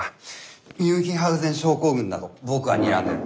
ミュンヒハウゼン症候群だと僕はにらんでる。